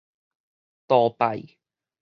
杜拜